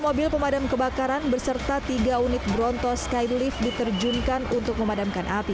lima mobil pemadam kebakaran berserta tiga unit bronto skylift diterjunkan untuk memadamkan api